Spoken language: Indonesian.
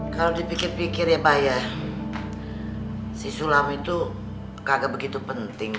kalau dipikir pikir ya pak ya si sulam itu kagak begitu penting